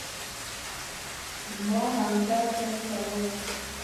ما همدرد صاحب ته وویل.